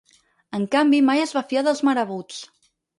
En canvi mai es va fiar dels marabuts.